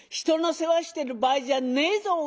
「人の世話してる場合じゃねえぞ